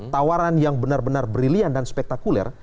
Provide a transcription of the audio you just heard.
tawaran yang benar benar briliant dan spektakuler